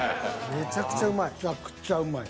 めちゃくちゃうまい。